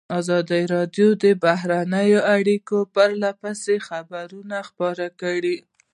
ازادي راډیو د بهرنۍ اړیکې په اړه پرله پسې خبرونه خپاره کړي.